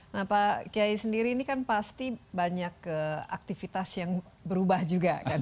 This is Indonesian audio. nah pak kiai sendiri ini kan pasti banyak aktivitas yang berubah juga kan